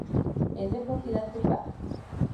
Es de propiedad privado.